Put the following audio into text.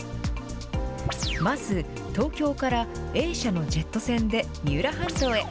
まず、東京からＡ社のジェット船で三浦半島へ。